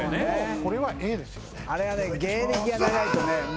これはＡですよね。